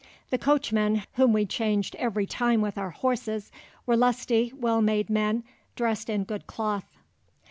The coachmen, whom we changed every time with our horses, were lusty, well made men, dressed in good cloth."